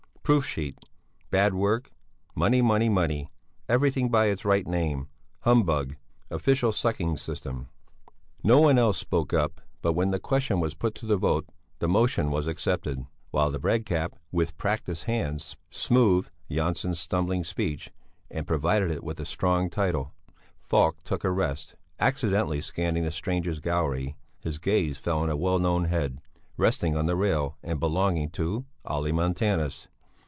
Proof sheet. Bad work. Money money money. Everything by its right name. Humbug. Official sucking system. No one else spoke but when the question was put to the vote, the motion was accepted. While the Red Cap with practised hand smoothed Jönsson's stumbling speech, and provided it with a strong title, Falk took a rest. Accidentally scanning the strangers' gallery, his gaze fell on a well known head, resting on the rail and belonging to Olle Montanus.